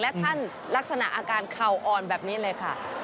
และท่านลักษณะอาการเข่าอ่อนแบบนี้เลยค่ะ